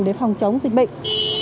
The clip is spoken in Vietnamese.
để phòng chống dịch bệnh